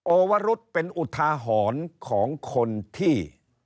โอวรุษเป็นอุทาหรณ์ของคนที่